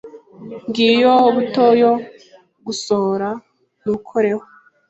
Ngiyo buto yo gusohora. Ntukoreho.